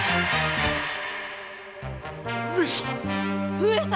上様！